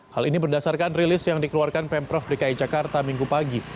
hal ini berdasarkan rilis yang dikeluarkan pemprov dki jakarta minggu pagi